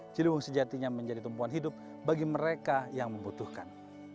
ciliwung sejatinya menjadi tumpuan hidup bagi mereka yang membutuhkan